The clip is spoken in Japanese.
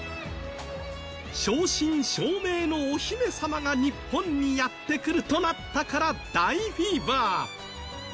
正真正銘のお姫様が日本にやってくるとなったから大フィーバー。